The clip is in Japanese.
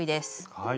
はい。